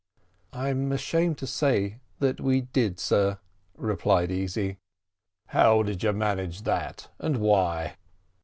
"I am ashamed to say that we did, sir," replied Easy. "How did you manage that, and why?"